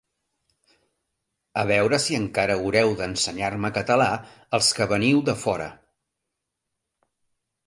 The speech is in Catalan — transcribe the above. A veure si encara haureu d'ensenyar-me català els que veniu de fora.